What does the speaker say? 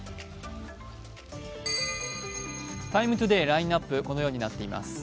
「ＴＩＭＥ，ＴＯＤＡＹ」ラインナップはこのようになっています。